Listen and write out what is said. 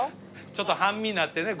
ちょっと半身になってね。